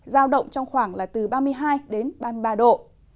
giao động trong khoảng là từ ba mươi hai đến ba mươi ba độ